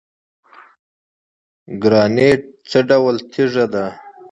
ګرانیټ څه ډول تیږه ده؟